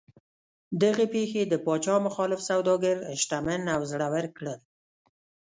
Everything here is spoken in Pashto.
دغې پېښې د پاچا مخالف سوداګر شتمن او زړور کړل.